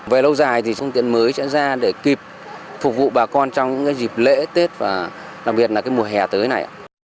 về lâu dài thì phương tiện mới sẽ ra để kịp phục vụ bà con trong những dịp lễ tết và đặc biệt là mùa hè tới này